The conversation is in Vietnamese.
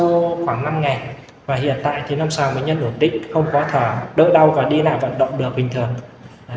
sau khoảng năm ngày và hiện tại thì không sao bệnh nhân nổ tích không có thở đỡ đau và đi nào vận động được bình thường